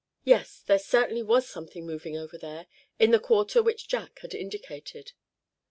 Yes, there certainly was something moving over there, in the quarter which Jack had indicated.